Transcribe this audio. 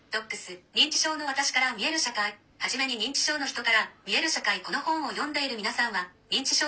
『認知症の私から見える社会』はじめに認知症の人から見える社会この本を読んでいるみなさんは『認知症』と診断された人に」。